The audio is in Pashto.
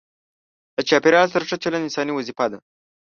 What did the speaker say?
له چاپیریال سره ښه چلند انساني وظیفه ده.